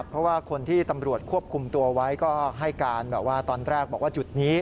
เพราะว่าคนที่ตำรวจควบคุมตัวไว้ก็ให้การแบบว่าตอนแรกบอกว่าจุดนี้